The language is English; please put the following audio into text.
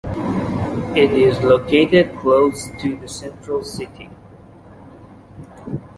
It is located close to the central city.